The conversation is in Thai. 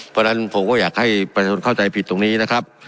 เพราะฉะนั้นผมก็อยากให้ประชาชนเข้าใจผิดตรงนี้นะครับ